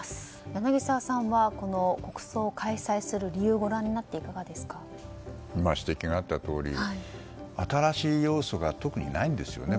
柳澤さんはこの国葬を開催する理由をご覧になって今、指摘があったとおり新しい要素が特にないんですよね。